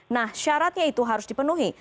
nah syaratnya itu harus dipenuhi